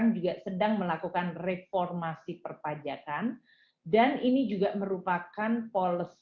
di sini akan dibahas berbagai proses